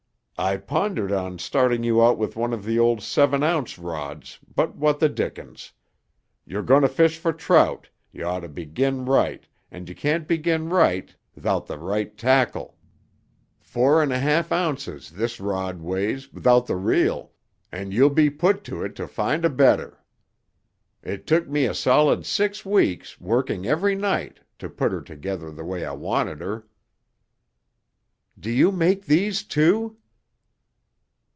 "I pondered on starting you out with one of the old seven ounce rods but what the dickens. You're going to fish for trout, you ought to begin right and you can't begin right 'thout the right tackle. Four and a half ounces this rod weighs 'thout the reel, and you'll be put to it to find a better. It took me a solid six weeks, working every night, to put her together the way I wanted her." "Do you make these, too?"